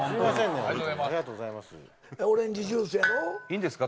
いいんですか？